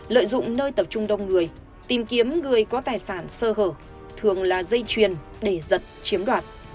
lợi dụng nơi tập trung đông người tìm kiếm người có tài sản sơ hở thường là dây chuyền để giật chiếm đoạt